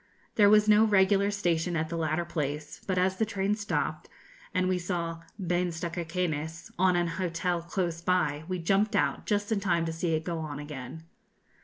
There was no regular station at the latter place, but as the train stopped, and we saw 'Bains de Cauquenes' on an hotel close by, we jumped out just in time to see it go on again.